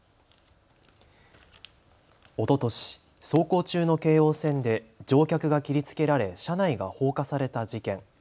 おととし走行中の京王線で乗客が切りつけられ車内が放火された事件。